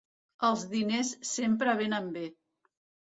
Els diners sempre venen bé.